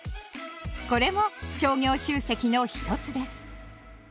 これも商業集積の一つです。